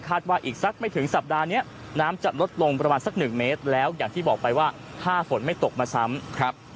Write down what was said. ว่าอีกสักไม่ถึงสัปดาห์นี้น้ำจะลดลงประมาณสักหนึ่งเมตรแล้วอย่างที่บอกไปว่าถ้าฝนไม่ตกมาซ้ำครับ